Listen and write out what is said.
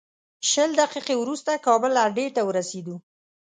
شل دقیقې وروسته کابل اډې ته ورسېدو.